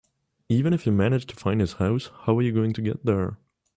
Even if you managed to find his house, how are you going to get there?